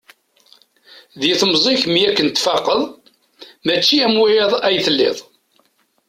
Di temẓi-k mi akken tfaqeḍ, mačči am wiyaḍ ay telliḍ.